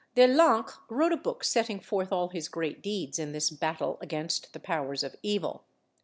De l'Ancre wrote a book setting forth all his great deeds in this battle against the powers of evil.